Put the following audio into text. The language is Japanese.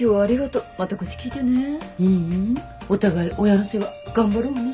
ううんお互い親の世話頑張ろうね。